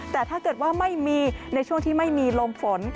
แต่ถ้าเกิดว่าไม่มีในช่วงที่ไม่มีลมฝน